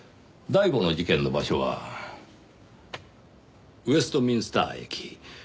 第五の事件の場所はウェストミンスター駅。